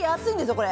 これ。